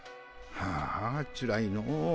はあつらいの。